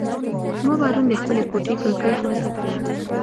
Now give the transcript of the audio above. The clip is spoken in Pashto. ما پرون د خپلې کوټې کړکۍ خلاصه کړه.